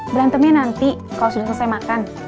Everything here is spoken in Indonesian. berantemnya nanti kalau sudah selesai makan